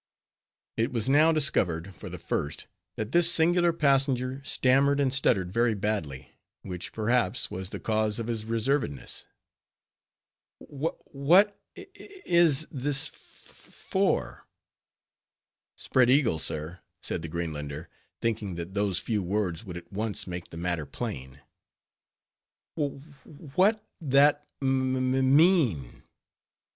It was now discovered for the first, that this singular passenger stammered and stuttered very badly, which, perhaps, was the cause of his reservedness. "Wha wha what i i is this f f for?" "Spread eagle, sir," said the Greenlander, thinking that those few words would at once make the matter plain. "Wha wha what that me me mean?"